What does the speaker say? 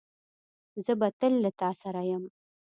زه به تل له تاسره یم